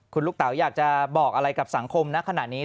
คุณลูกเต๋าอยากจะบอกอะไรกับสังคมณขณะนี้